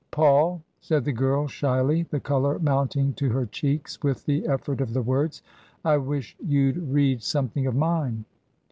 " Paul," said the girl, shyly, the colour mounting to her cheeks with the effort of the words, " I wish you'd read something of mine."